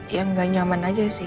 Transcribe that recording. yang gak nyaman aja sih